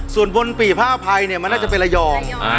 ส่วนบนปี่ผ้าอภัยเนี่ยมันน่าจะเป็นระยอง